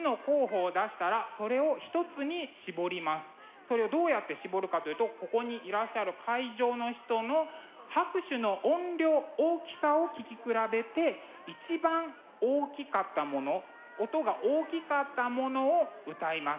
それをどうやって絞るかというとここにいらっしゃる会場の人の拍手の音量大きさを聞き比べて一番大きかったもの音が大きかったものを歌います。